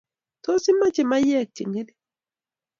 Tos, ichame maywek chengering?